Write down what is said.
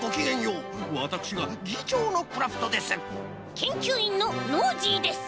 けんきゅういんのノージーです。